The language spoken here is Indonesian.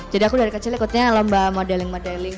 jadi aku dari kecil ikutnya lomba modeling modeling